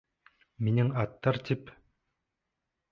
Минең аттар тип...